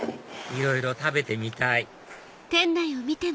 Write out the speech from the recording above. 「いろいろ食べてみたい」